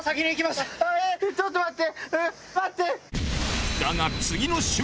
ちょっと待って！